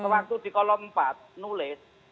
waktu di kolom empat nulis